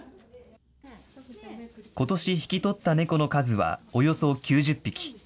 ことし引き取った猫の数はおよそ９０匹。